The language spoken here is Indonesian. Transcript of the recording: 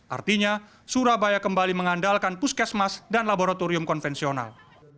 artinya surabaya kembali mengandalkan puskesmas dan laboratorium konvensional